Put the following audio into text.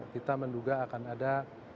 kita menduga akan ada